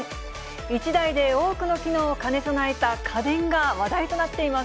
１台で多くの機能を兼ね備えた家電が話題となっています。